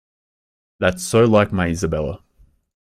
That's so like my Isabella!